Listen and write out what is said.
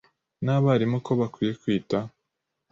n’abarimu ko bakwiye kwita